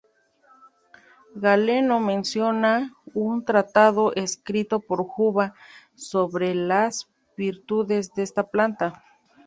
Galeno menciona un tratado escrito por Juba sobre las virtudes de esta planta.